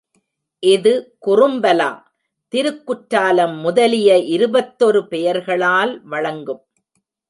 இது குறும்பலா, திருக்குற்றாலம் முதலிய இருபத்தொரு பெயர்களால் வழங்கும்.